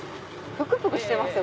ぷくぷくしてますよ